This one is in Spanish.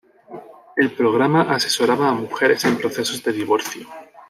El programa asesoraba a mujeres en procesos de divorcio.